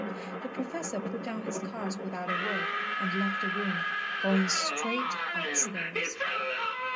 The Professor put down his cards without a word, and left the room, going straight upstairs.